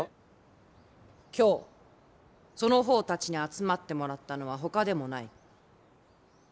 今日その方たちに集まってもらったのはほかでもない。